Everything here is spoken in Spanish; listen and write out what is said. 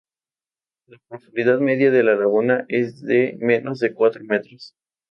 La profundidad media de la laguna es de menos de cuatro metros.